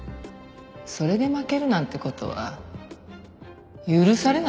それで負けるなんて事は許されない事よ。